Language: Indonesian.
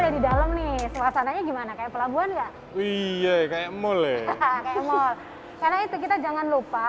di dalam nih suasananya gimana kayak pelabuhan ya wih kayak boleh karena itu kita jangan lupa